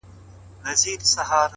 پر بنا د ځوانانو سره یو څو خبري شریکوم